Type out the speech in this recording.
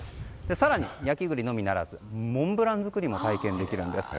更に焼き栗のみならずモンブラン作りも体験できます。